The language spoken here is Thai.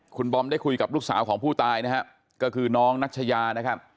คุณบอมได้คุยกับลูกสาวของผู้ตายนะฮะก็คือน้องนัชยานะครับ